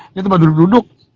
ini tempat duduk duduk